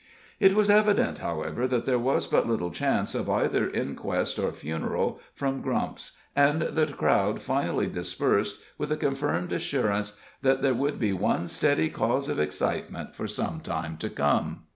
It was evident, however, that there was but little chance of either inquest or funeral from Grump's, and the crowd finally dispersed with the confirmed assurance that there would be one steady cause of excitement for some time to come.